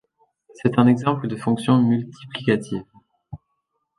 C'est un exemple de fonction multiplicative.